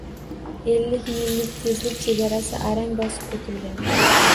Ellik millik tezlik chegarasi arang bosib o‘tilgan